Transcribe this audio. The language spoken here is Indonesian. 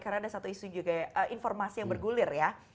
karena ada satu isu juga informasi yang bergulir ya